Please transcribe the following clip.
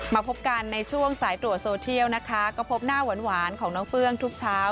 มาพบกันในช่วงสายตรวจโซเทียลนะคะก็พบหน้าหวานของน้องเฟื้องทุกเช้า